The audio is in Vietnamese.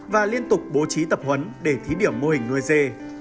và liên tục bố trí tập huấn để thí điểm mô hình nuôi dê